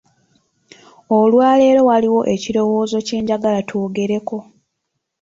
Olwaleero waliwo ekirowoozo kye njagala twogereko.